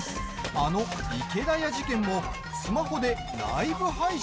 あの池田屋事件もスマホでライブ配信？